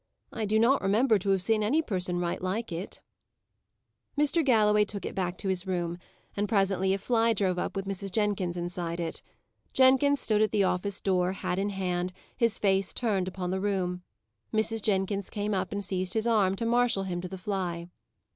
"I do not remember to have seen any person write like it." Mr. Galloway took it back to his room, and presently a fly drove up with Mrs. Jenkins inside it. Jenkins stood at the office door, hat in hand, his face turned upon the room. Mrs. Jenkins came up and seized his arm, to marshal him to the fly.